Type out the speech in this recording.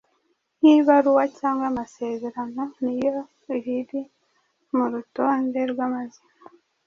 nkibaruwa cyangwa amasezerano, n’iyo riri mu rutonde rw’amazina